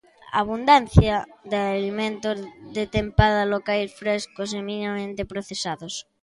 Abundancia de alimentos de tempada, locais, frescos e minimamente procesados.